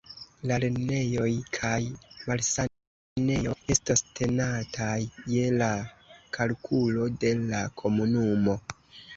La lernejoj kaj malsanejoj estos tenataj je la kalkulo de la komunumo.